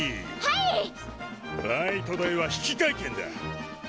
バイト代は引換券だ。